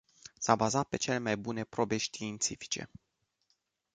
S-a bazat pe cele mai bune probe științifice.